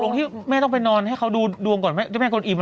ตกลงที่แม่ต้องไปนอนให้เขาดูดวงก่อนไม่ใช่หรือ